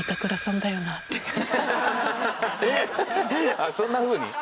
あっそんな風に？